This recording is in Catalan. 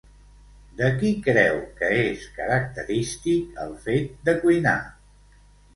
De qui creu que és característic el fet de cuinar?